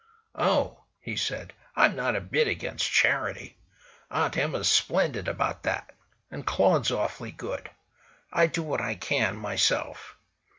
"Oh!" he said, "I'm not a bit against charity. Aunt Emma's splendid about that. And Claud's awfully good. I do what I can, myself."